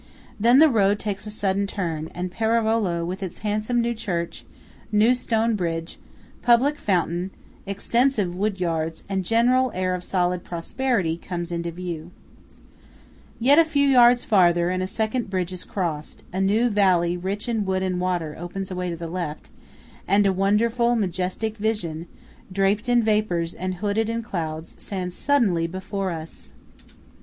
Then the road takes a sudden turn, and Perarolo, with its handsome new church, new stone bridge, public fountain, extensive wood yards, and general air of solid prosperity, comes into view Yet a few yards farther, and a second bridge is crossed –a new valley rich in wood and water opens away to the left–and a wonderful majestic vision, draped in vapours and hooded in clouds, stands suddenly before us!